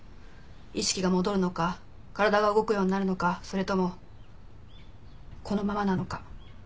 意識が戻るのか体が動くようになるのかそれともこのままなのか。